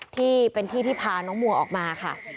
ที่เป็นที่ที่พาน้องมัวออกมาค่ะ